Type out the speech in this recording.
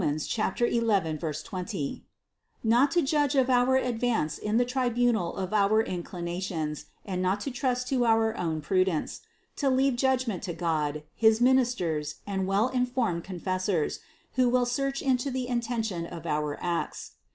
11, 20) ; not to judge of our advance in the tri bunal of our inclinations and not to trust to our own prudence; to leave judgment to God, his ministers, and well informed confessors, who will search into the inten tion of our acts.